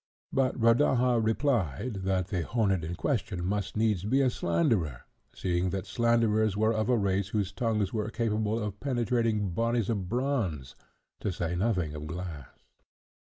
But Rodaja replied, that the hornet in question must needs be a slanderer, seeing that slanderers were of a race whose tongues were capable of penetrating bodies of bronze, to say nothing of glass.